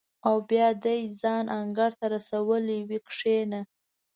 او بیا دې ځان انګړ ته رسولی وي کېنه.